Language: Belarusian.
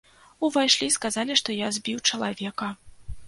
Увайшлі, сказалі, што я збіў чалавека.